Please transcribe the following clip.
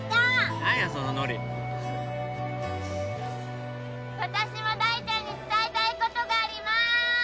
何やそのノリ私も大ちゃんに伝えたいことがあります！